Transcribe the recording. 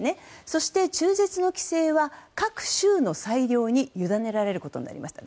そして、中絶の規制は各州の裁量に委ねられることになりました。